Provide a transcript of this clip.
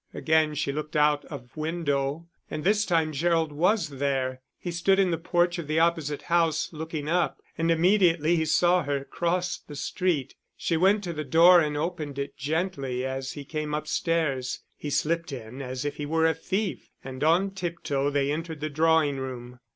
Again she looked out of window; and this time Gerald was there. He stood in the porch of the opposite house, looking up; and immediately he saw her, crossed the street. She went to the door and opened it gently, as he came upstairs. He slipped in as if he were a thief, and on tiptoe they entered the drawing room.